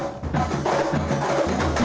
musikalitas kas islami